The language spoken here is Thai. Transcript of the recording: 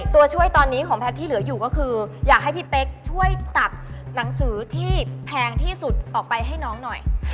ตัวช่วยตอนนี้ของแพทย์ที่เหลืออยู่ก็คืออยากให้พี่เป๊กช่วยตัดหนังสือที่แพงที่สุดออกไปให้น้องหน่อย